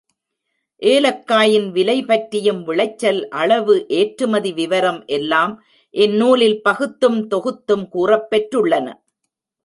ஏலக்காயின் விலை பற்றியும் விளைச்சல் அளவு, ஏற்றுமதி விவரம் எல்லாம் இந்நூலில் பகுத்தும் தொகுத்தும் கூறப்பெற்றுள்ளன.